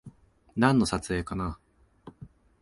なんかの撮影かな